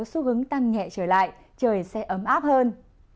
lại có xu hướng tăng nhẹ trở lại trời sẽ ấm áp hơn